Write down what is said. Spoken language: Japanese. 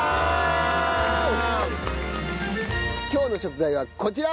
今日の食材はこちら。